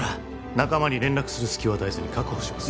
仲間に連絡する隙を与えずに確保します